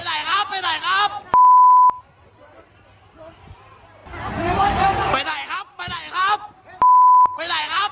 ไปไหนครับไปไหนครับ